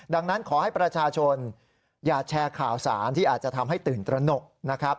ดังนั้นขอให้ประชาชนอย่าแชร์ข่าวสารที่อาจจะทำให้ตื่นตระหนกนะครับ